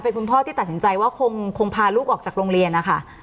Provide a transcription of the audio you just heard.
เป็นคุณพ่อที่ตัดสินใจว่าคงพาลูกออกจากโรงเรียนนะคะ